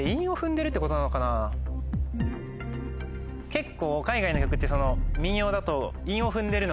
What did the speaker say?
結構。